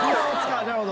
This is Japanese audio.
なるほど。